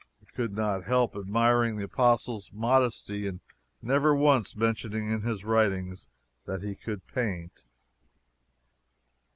We could not help admiring the Apostle's modesty in never once mentioning in his writings that he could paint.